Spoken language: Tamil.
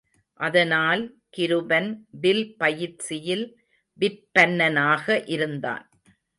அதனால் கிருபன் வில் பயிற்சியில் விற்பன்னனாக இருந்தான்.